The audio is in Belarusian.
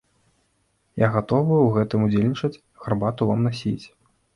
Я гатовы ў гэтым удзельнічаць, гарбату вам насіць.